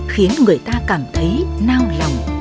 khiến người ta cảm thấy nao lòng